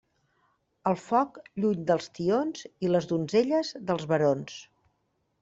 El foc, lluny dels tions, i les donzelles, dels barons.